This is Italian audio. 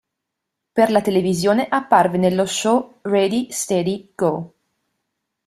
Per la televisione apparve nello show "Ready Steady Go!".